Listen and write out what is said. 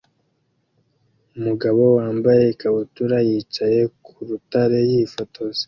Umugabo wambaye ikabutura yicaye ku rutare yifotoza